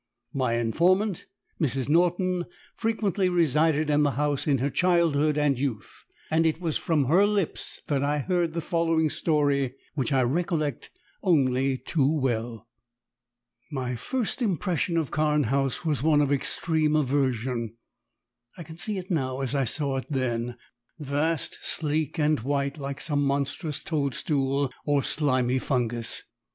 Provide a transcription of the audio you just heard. My informant, Mrs. Norton, frequently resided in the house in her childhood and youth, and it was from her lips that I heard the following story which I recollect only too well. My first impression of Carne House was one of extreme aversion; I can see it now as I saw it then vast, sleek, and white, like some monstrous toadstool, or slimy fungus.